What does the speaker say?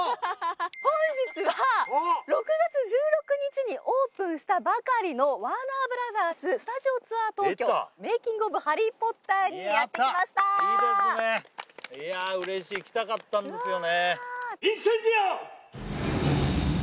本日は６月１６日にオープンしたばかりのワーナーブラザーススタジオツアー東京メイキング・オブ・ハリー・ポッターにやってきましたいや嬉しい来たかったんですよねインセンディオ！